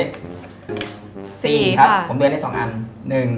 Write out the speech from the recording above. ๔ครับผมเดินให้สองอัน